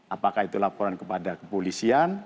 apakah itu laporan kepada kepolisian